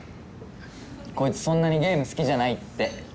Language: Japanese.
こいつそんなにゲーム好きじゃないって。